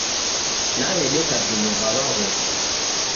Naw'edeka vindo va w'aghosi.